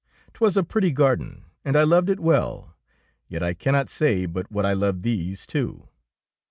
'Twas a pretty garden, and I loved it well. Yet I cannot say but what I love these too.